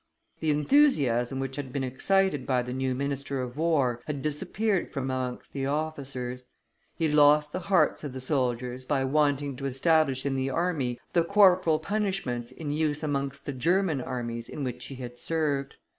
The enthusiasm which had been excited by the new minister of war had disappeared from amongst the officers; he lost the hearts of the soldiers by wanting to establish in the army the corporal punishments in use amongst the German armies in which he had served.